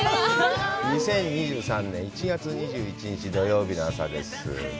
２０２３年１月２１日、土曜日の朝です。